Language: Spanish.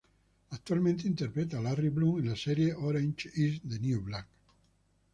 Actualmente interpreta a Larry Bloom en la serie "Orange Is the New Black".